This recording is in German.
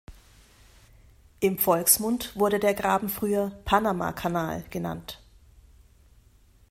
Im Volksmund wurde der Graben früher ″Panamakanal″ genannt.